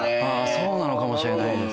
そうなのかもしれないです。